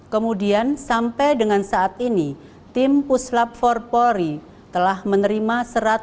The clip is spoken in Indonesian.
kemudian sampai dengan saat ini tim puslap empat polri telah menerima